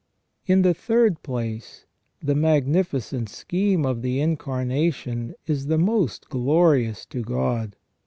In the third place, the magnificent scheme of the Incarnation is the most glorious to God.